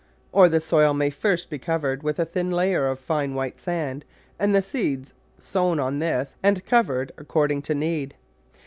Or the soil may first be covered with a thin layer of fine white sand, and the seeds sown on this and covered according to need.